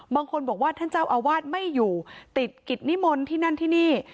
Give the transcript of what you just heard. บางคนบอกว่าท่านเจ้าอาวาสไม่อยู่ติดกิจนิมนต์ที่นั่นที่นี่